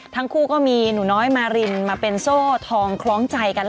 ทั้งคู่ก็มีหนูน้อยมารินมาเป็นโซ่ทองคล้องใจกัน